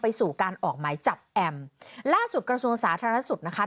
สู่การออกหมายจับแอมล่าสุดกระทรวงสาธารณสุขนะคะ